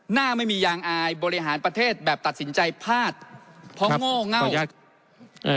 หน้าไม่มียางอายบริหารประเทศแบบตัดสินใจพลาดเพราะโง่เง่าอยากเอ่อ